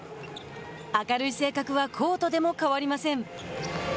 明るい性格はコートでも変わりません。